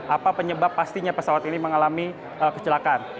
apa penyebab pastinya pesawat ini mengalami kecelakaan